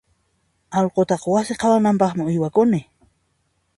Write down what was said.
Allqutaqa wasi qhawanampaqmi uywakuni.